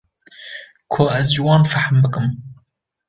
ku ez ji wan fehm bikim